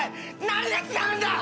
何が違うんだ！？